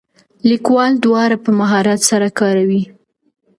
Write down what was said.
لیکوال دواړه په مهارت سره کاروي.